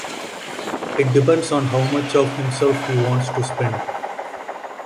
It depends on how much of himself he wants to spend.